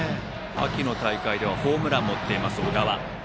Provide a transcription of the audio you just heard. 秋の大会ではホームランも打っています小川。